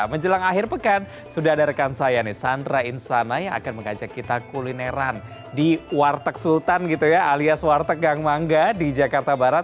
menjelang akhir pekan sudah ada rekan saya nih sandra insana yang akan mengajak kita kulineran di warteg sultan gitu ya alias warteg gang mangga di jakarta barat